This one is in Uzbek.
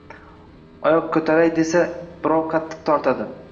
Oyoq ko‘taray desa, birov qattiq tortadi